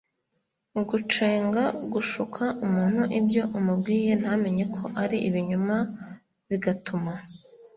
gucenga: gushuka umuntu ibyo umubwiye ntamenye ko ari ibinyoma bigatuma